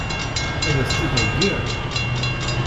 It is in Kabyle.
Ad as-tt-id-heggiɣ?